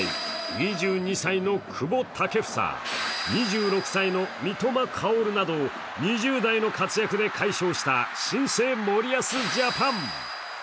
２２歳の久保建英、２６歳の三笘薫など２０代の活躍で快勝した新生・森保ジャパン。